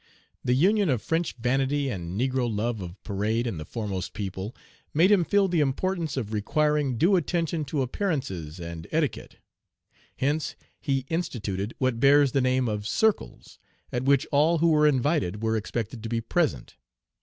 The union of French vanity and negro love of parade in the foremost people made him feel the importance of requiring due attention to appearances and etiquette. Hence, he instituted what bears the name of "circles," at which all who were invited were expected to be present.